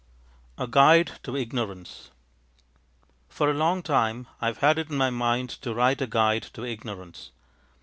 A GUIDE TO IGNORANCE. For a long time I have had it in my mind to write a guide to ignorance.